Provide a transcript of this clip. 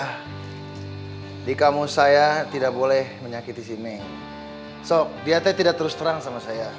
hai dikamu saya tidak boleh menyakiti sini sob lihatnya tidak terus terang sama saya